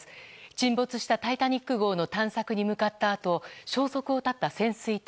沈没した「タイタニック号」の探索に向かったあと消息を絶った潜水艇。